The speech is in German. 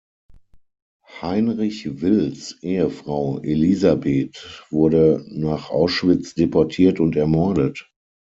Heinrich Wills Ehefrau Elisabeth wurde nach Auschwitz deportiert und ermordet.